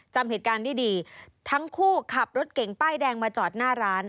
จำเหตุการณ์ได้ดีทั้งคู่ขับรถเก่งป้ายแดงมาจอดหน้าร้าน